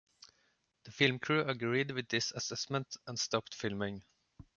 The film crew agreed with this assessment and stopped filming.